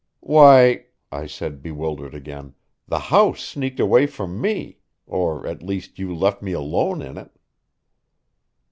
"Why," I said, bewildered again, "the house sneaked away from me or, at least you left me alone in it."